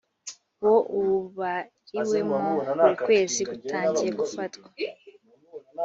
wo ubariwemo buri kwezi gutangiye gufatwa